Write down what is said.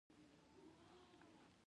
د سرو غرونو کیسه د شجاعت او جرئت نښه ده.